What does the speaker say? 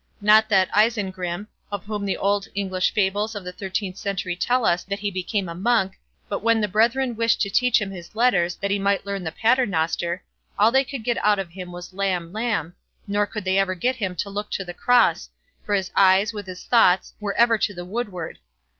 Not that Isengrim, of whom old English fables of the thirteenth century tell us that he became a monk, but when the brethren wished to teach him his letters that he might learn the paternoster, all they could get out of him was lamb, lamb ; nor could they ever get him to look to the cross, for his eyes, with his thoughts, "were ever to the woodward".